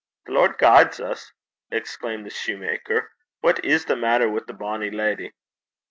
'The Lord guide 's!' exclaimed the soutar. 'What is the maitter wi' the bonnie leddy?'